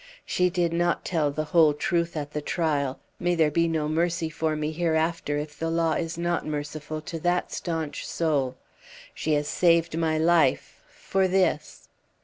She did not tell the whole truth at the trial; may there be no mercy for me hereafter if the law is not merciful to that staunch soul! She has saved my life for this!